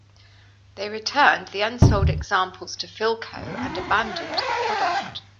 They returned the unsold examples to Philco and abandoned the product.